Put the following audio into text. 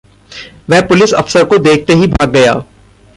वह पुलिस अफ़सर को देखते ही भाग गया।